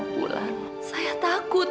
empat bulan saya takut